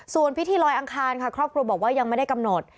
ส่วนพิธีลอยอังคารค่ะครอบครัวบอกว่ายังไม่ได้กำหนด